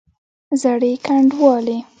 زړې ګنډوالې!